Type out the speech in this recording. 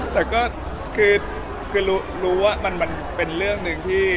แต่ก็คือรู้ว่ามันเป็นเรื่องหนึ่งที่